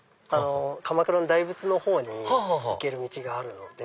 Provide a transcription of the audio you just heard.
鎌倉の大仏の方に行ける道があるので。